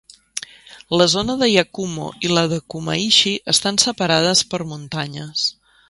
La zona de Yakumo i la de Kumaishi estan separades per muntanyes.